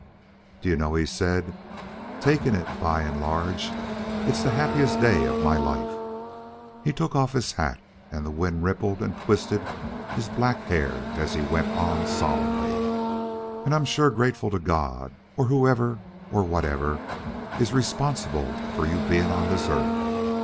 "Do you know," he said, "taking it by and large, it's the happiest day of my life." He took off his hat, and the wind rippled and twisted his black hair as he went on solemnly, "And I'm sure grateful to God, or whoever or whatever is responsible for your being on this earth.